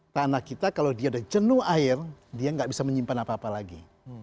tanah kita kalau dia ada jenuh air dia nggak bisa menyimpan apa apa lagi